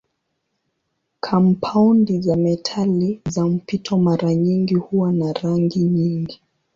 Kampaundi za metali za mpito mara nyingi huwa na rangi nyingi.